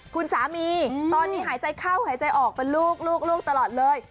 คุณสามีตอนนี้หายใจเข้าหายใจออกเป็นลูกลูกตลอดเลย